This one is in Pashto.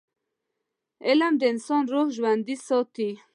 علم د انسان روح ژوندي ساتي.